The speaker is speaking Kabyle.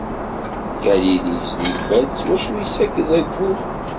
Galili isnulfa-d s wacu issaked ayyur.